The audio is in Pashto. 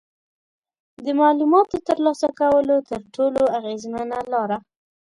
د معلوماتو ترلاسه کولو تر ټولو اغیزمنه لاره